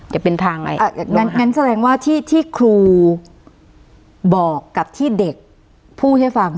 จะเป็นทางอะไรงั้นแสดงว่าที่ที่ครูบอกกับที่เด็กพูดให้ฟัง